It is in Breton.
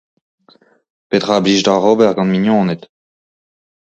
Petra a blij deoc'h ober gant mignoned ?